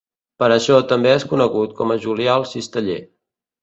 Per això també és conegut com a Julià el Cisteller.